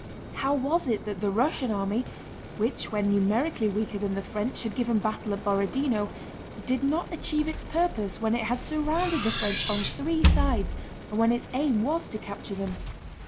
How was it that the Russian army, which when numerically weaker than the French had given battle at Borodinó, did not achieve its purpose when it had surrounded the French on three sides and when its aim was to capture them?